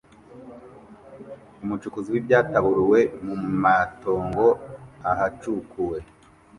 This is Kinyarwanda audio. Umucukuzi w'ibyataburuwe mu matongo ahacukuwe